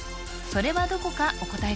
それはどこかお答え